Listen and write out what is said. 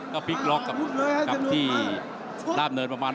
ก็พลิกล็อกกับที่ด้ามเนินประมาณ